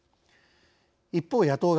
一方野党側。